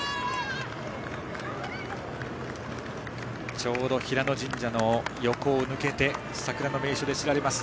ちょうど平野神社の横を抜けて桜の名所で知られます